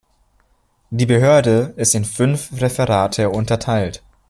Die Behörde ist in fünf Referate unterteilt.